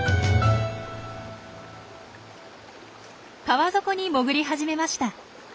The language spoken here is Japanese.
川底に潜り始めました。